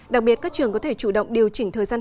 đặc biệt các trường có thể chủ động